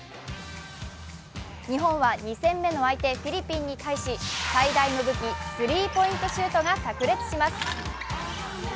日本は２戦目の相手、フィリピンに対し最大の武器スリーポイントシュートがさく裂します。